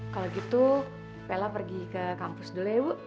kalau gitu vela pergi ke kampus dulu ya bu